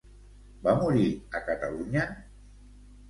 Va morir a Catalunya?